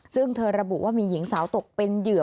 ซึ่งเธอระบุว่ามีหญิงสาวตกเป็นเหยื่อ